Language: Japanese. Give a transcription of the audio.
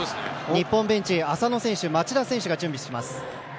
日本ベンチ、浅野選手町田選手が準備しています。